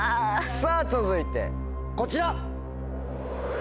さぁ続いてこちら！